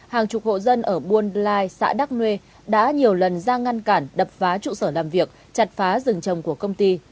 hàng chục hộ dân ở buôn lai xã đắk nuê đã nhiều lần ra ngăn cản đập phá trụ sở làm việc chặt phá rừng trồng của công ty